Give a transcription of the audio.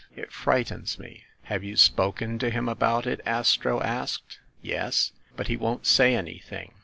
It frightens me." "Have you spoken to him about it ?" Astro asked. "Yes ; but he won't say anything.